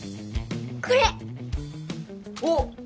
これおっ！